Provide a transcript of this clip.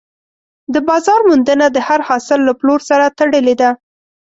د بازار موندنه د هر حاصل له پلور سره تړلې ده.